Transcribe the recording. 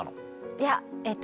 いやえっと